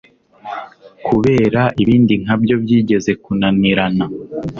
kubera ibindi nkabyo byigeze kunanirana